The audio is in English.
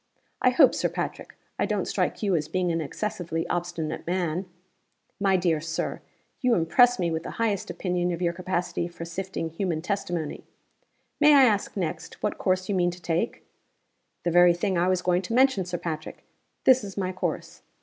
_ 'I hope, Sir Patrick, I don't strike you as being an excessively obstinate man?' 'My dear Sir, you impress me with the highest opinion of your capacity for sifting human testimony! May I ask, next, what course you mean to take?' 'The very thing I was going to mention, Sir Patrick! This is my course.